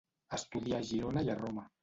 Estudià a Girona i a Roma.